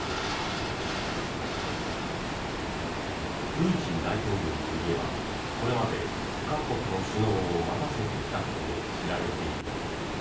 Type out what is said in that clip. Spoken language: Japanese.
プーチン大統領といえばこれまで各国の首脳を待たせてきたことで知られている。